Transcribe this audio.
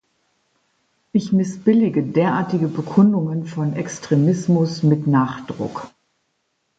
Ich missbillige derartige Bekundungen von Extremismus mit Nachdruck.